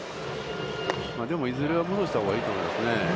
でも、いずれは戻したほうがいいと思いますね。